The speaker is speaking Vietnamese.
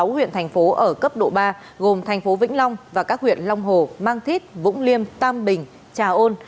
sáu huyện thành phố ở cấp độ ba gồm thành phố vĩnh long và các huyện long hồ mang thít vũng liêm tam bình trà ôn